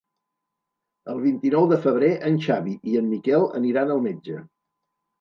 El vint-i-nou de febrer en Xavi i en Miquel aniran al metge.